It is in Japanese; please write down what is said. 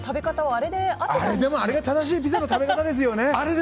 あれが正しいピザの食べ方ですよね。